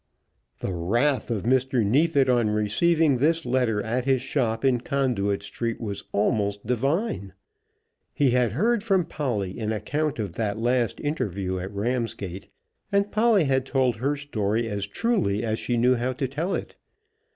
The wrath of Mr. Neefit on receiving this letter at his shop in Conduit Street was almost divine. He had heard from Polly an account of that last interview at Ramsgate, and Polly had told her story as truly as she knew how to tell it.